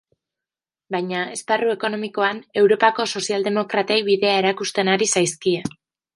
Baina, esparru ekonomikoan, europako sozialdemokratei bidea erakusten ari zaizkie.